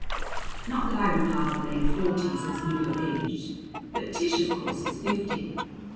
Not that I regard the late forties as middle aged. But Tish, of course, is fifty.